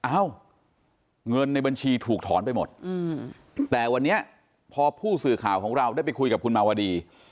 เอ้าเงินในบัญชีถูกถอนไปหมดแต่วันนี้พอผู้สื่อข่าวของเราได้ไปคุยกับคุณมาวดี